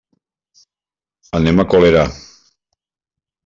Anem a Colera.